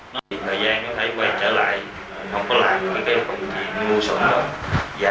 thời gian nó thấy quay trở lại không có lại những công việc ngu xuẩn